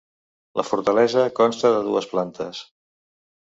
La Fortalesa consta de dues plantes.